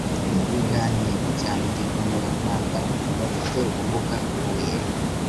ibiganiro bya ndi umunyarwanda mu bafite ubumuga huye